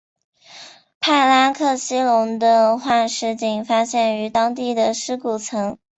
帕拉克西龙的化石仅发现于当地的尸骨层。